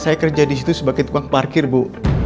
saya kerja di situ sebagai tukang parkir bu